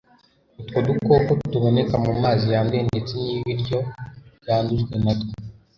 Utwo dukoko tuboneka mu mazi yanduye ndetse n'ibiryo byandujwe natwo.